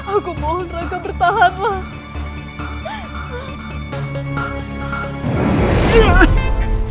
aku mohon raka bertahanlah